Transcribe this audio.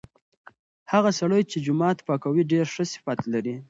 هغه سړی چې جومات پاکوي ډیر ښه صفت لري.